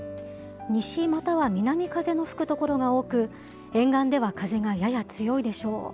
西または南風の吹く所が多く、沿岸では風がやや強いでしょう。